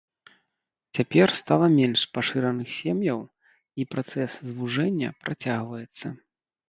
Цяпер стала менш пашыраных сем'яў, і працэс звужэння працягваецца.